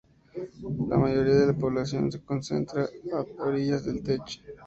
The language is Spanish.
La mayoría de la población se concentra a orillas del Tech.